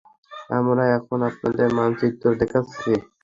আমরা এখন আপনাদের মানচিত্র দেখাচ্ছি।